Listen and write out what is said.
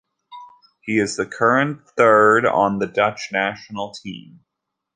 He is the current third on the Dutch national team.